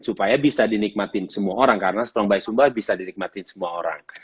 supaya bisa dinikmatin semua orang karena strong by sumba bisa dinikmatin semua orang